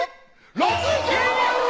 ６０万円！